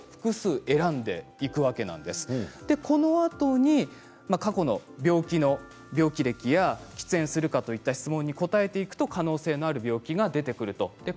このあとに過去の病気の病気歴や喫煙するかといった質問に答えていくと可能性がある病気が出てきます。